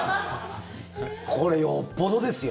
これ、よっぽどですよ。